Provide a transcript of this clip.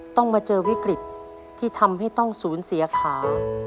ต้องมาเจอวิกฤตที่ทำให้ต้องสูญเสียขา